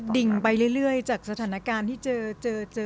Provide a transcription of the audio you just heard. ดิ่งไปเรื่อยจากสถานการณ์ที่เจอเจอ